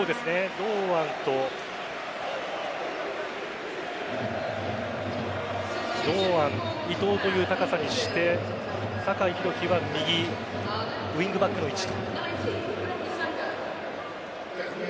堂安、伊東という高さにして酒井宏樹は右ウイングバックの位置と。